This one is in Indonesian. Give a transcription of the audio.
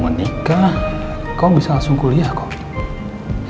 mau nikah kau bisa langsung kuliah kok